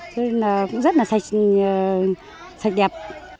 nên là cũng rất là sạch sạch đẹp